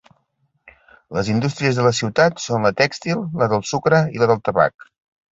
Les indústries de la ciutat són la tèxtil, la del sucre i la del tabac.